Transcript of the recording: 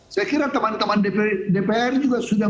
saya kira teman teman dpr juga sudah